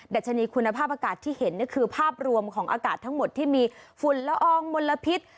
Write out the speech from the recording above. ัชนีคุณภาพอากาศที่เห็นคือภาพรวมของอากาศทั้งหมดที่มีฝุ่นละอองมลพิษ